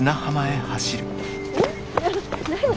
何？